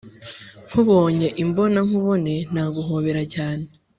nkubonye imbona nkubone naguhobera cyane.